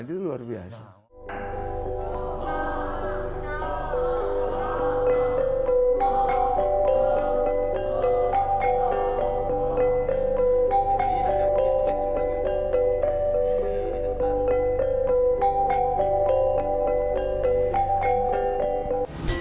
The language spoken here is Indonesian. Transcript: itu luar biasa